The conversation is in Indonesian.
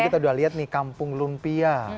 kita sudah lihat nih kampung lumpia